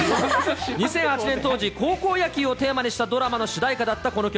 ２００８年当時、高校野球をテーマにしたドラマの主題歌だったこの曲。